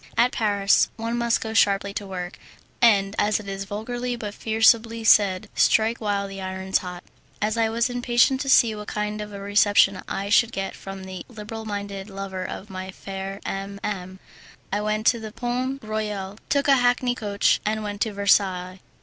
At Paris one must go sharply to work, and, as it is vulgarly but forcibly said, "strike while the iron's hot." As I was impatient to see what kind of a reception I should get from the liberal minded lover of my fair M M , I went to the Pont Royal, took a hackney coach, and went to Versailles.